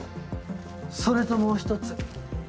それともう一つ。